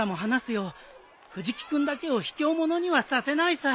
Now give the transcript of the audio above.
藤木君だけをひきょう者にはさせないさ。